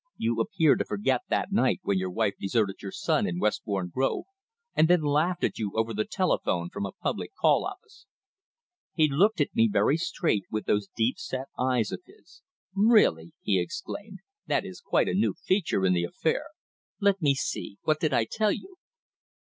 "You appear to forget that night when your wife deserted your son in Westbourne Grove, and then laughed at you over the telephone from a public call office." He looked at me very straight with those deep set eyes of his. "Really," he exclaimed. "That is quite a new feature in the affair. Let me see, what did I tell you?"